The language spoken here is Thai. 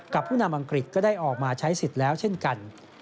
ผู้นำอังกฤษก็ได้ออกมาใช้สิทธิ์แล้วเช่นกัน